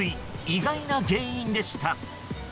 意外な原因でした。